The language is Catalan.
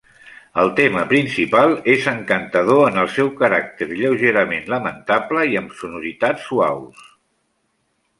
El tema principal és encantador en el seu caràcter lleugerament lamentable i amb sonoritats suaus.